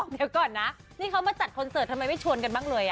เดี๋ยวก่อนนะนี่เขามาจัดคอนเสิร์ตทำไมไม่ชวนกันบ้างเลย